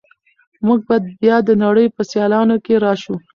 موږ به بیا د نړۍ په سیالانو کې راشو.